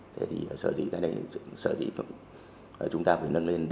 thế thì sở dĩ tại đây sở dĩ chúng ta phải nâng lên